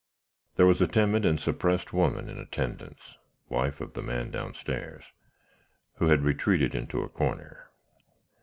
There was a timid and suppressed woman in attendance (wife of the man down stairs), who had retreated into a corner.